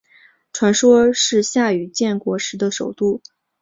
传说是夏禹建国时的首都。